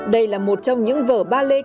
đây là một trong những vở ballet